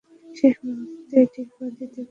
শেষ মুহূর্তে ডিগবাজি দেবে।